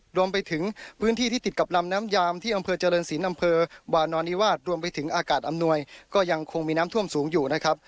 รวมไปถึงพื้นที่ที่ติดกับลำน้ำยามที่อำเภอเจริญศิลป์อำเภอวานอนิวาสรวมไปถึงอากาศอำนวยก็ยังคงมีน้ำท่วมสูงอยู่นะครับ